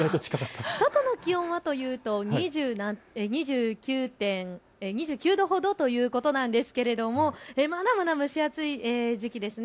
外の気温はというと２９度ほどということなんですがまだまだ蒸し暑い時期です。